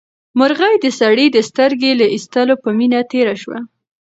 مرغۍ د سړي د سترګې له ایستلو په مینه تېره شوه.